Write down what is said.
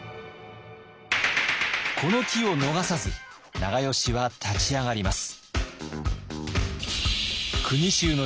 この機を逃さず長慶は立ち上がります。